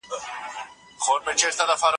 په ټولنه کي سياسي قدرت څنګه پېژندل کېږي؟